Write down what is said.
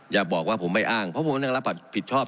อย่าบอกว่าผมไม่อ้างเพราะผมก็ต้องรับผิดชอบ